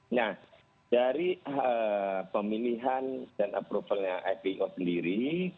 nah dari pemilihan dan approval nya fio sendiri